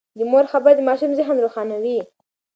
د مور خبرې د ماشوم ذهن روښانوي.